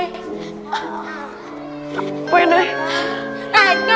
apa yang ada